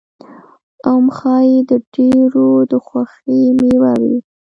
ام ښایي د ډېرو د خوښې مېوه وي.